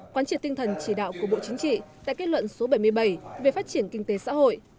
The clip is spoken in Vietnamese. quan trị tinh thần chỉ đạo của bộ chính trị đã kết luận số bảy mươi bảy về phát triển kinh tế xã hội